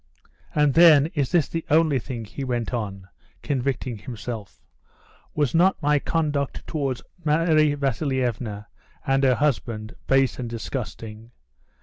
"And then, is this the only thing?" he went on, convicting himself. "Was not my conduct towards Mary Vasilievna and her husband base and disgusting?